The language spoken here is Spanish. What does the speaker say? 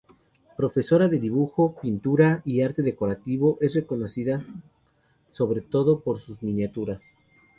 Profesora de dibujo, pintura, y arte decorativo, es reconocida sobre todo por sus miniaturas.